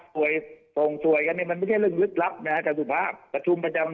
ส่วยส่งสวยกันเนี่ยมันไม่ใช่เรื่องยึดรับส่งสวยทุกวัน